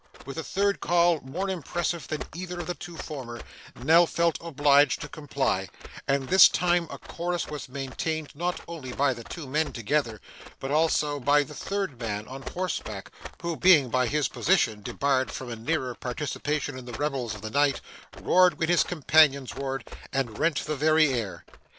With a third call, more imperative than either of the two former, Nell felt obliged to comply, and this time a chorus was maintained not only by the two men together, but also by the third man on horseback, who being by his position debarred from a nearer participation in the revels of the night, roared when his companions roared, and rent the very air.